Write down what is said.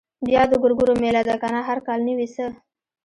بيا د ګورګورو مېله ده کنه هر کال نه وي څه.